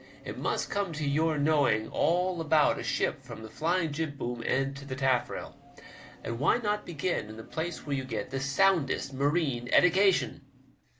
It must come to your knowing all about a ship from the flying jibboom end to the tafifrail, and why not begin in the place where you get the soundest marine eddication?